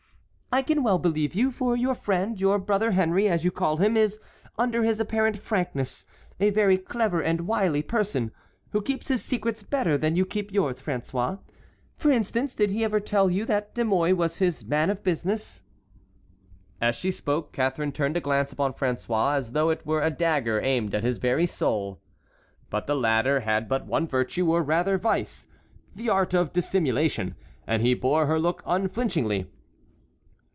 "I can well believe you, for your friend, your brother Henry, as you call him, is, under his apparent frankness, a very clever and wily person, who keeps his secrets better than you keep yours, François. For instance, did he ever tell you that De Mouy was his man of business?" As she spoke, Catharine turned a glance upon François as though it were a dagger aimed at his very soul. But the latter had but one virtue, or rather vice,—the art of dissimulation; and he bore her look unflinchingly.